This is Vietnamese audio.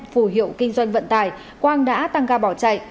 phủ hiệu kinh doanh vận tài quang đã tăng ga bỏ chạy